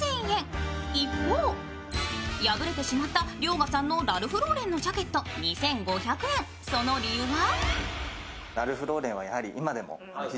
一方敗れてしまった遼河さんのラルフローレンのジャケット、その理由は？